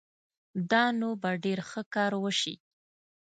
دا نو به ډېر ښه کار وشي